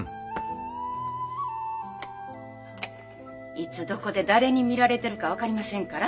いつどこで誰に見られてるか分かりませんから。